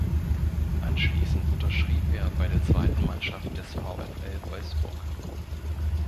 Anschließend unterschrieb er bei der zweiten Mannschaft des VfL Wolfsburg.